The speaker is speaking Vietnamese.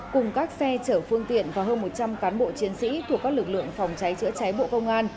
cùng các xe chở phương tiện và hơn một trăm linh cán bộ chiến sĩ thuộc các lực lượng phòng cháy chữa cháy bộ công an